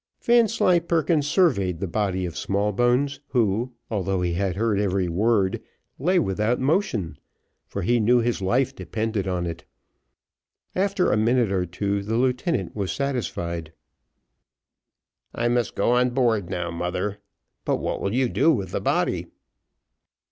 Vanslyperken surveyed the body of Smallbones, who, although he had heard every word, lay without motion, for he knew his life depended on it. After a minute or two the lieutenant was satisfied. "I must go on board now, mother; but what will you do with the body?"